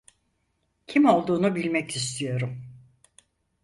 Kim olduğunu bilmek istiyorum.